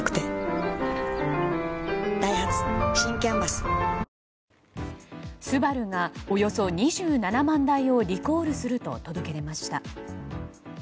スバルがおよそ２７万台をリコールすると届け出ました。